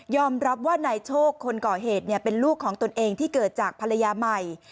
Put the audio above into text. รับว่านายโชคคนก่อเหตุเป็นลูกของตนเองที่เกิดจากภรรยาใหม่